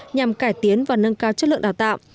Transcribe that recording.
nhằm cải tiến và nâng cao chất lượng đào tạo